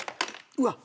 うわっ！